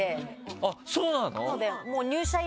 あっそうなの？